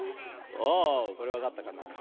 あこれわかったかな？